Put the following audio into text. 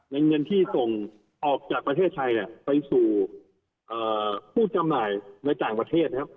เงินที่ส่งออกจากประเทศไทยไปสู่ผู้จำหน่ายในต่างประเทศนะครับ